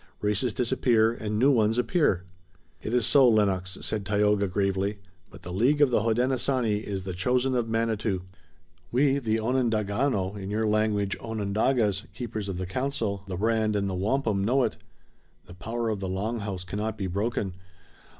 Races disappear, and new ones appear." "It is so, Lennox," said Tayoga gravely, "but the League of the Hodenosaunee is the chosen of Manitou. We, the Onundagaono, in your language Onondagas, Keepers of the Council, the Brand and the Wampum, know it. The power of the Long House cannot be broken.